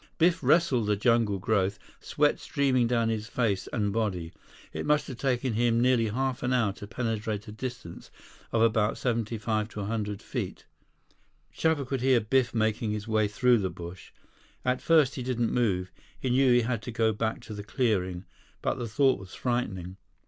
Biff wrestled the jungle growth, sweat streaming down his face and body. It must have taken him nearly half an hour to penetrate a distance of about 75 or 100 feet. Chuba could hear Biff making his way through the brush. At first, he didn't move. He knew he had to go back to the clearing, but the thought was frightening.